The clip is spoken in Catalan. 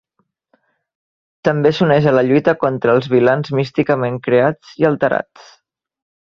També s'uneix a la lluita contra els vilans místicament creats i alterats.